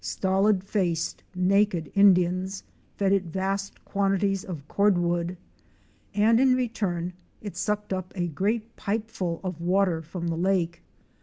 Stolid faced, naked Indians fed it vast quantities of cord wood, and in retum it sucked up a great pipeful of water from the lake.